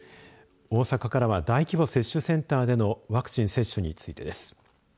大阪からは大規模接種センターでのワクチン接種についてです。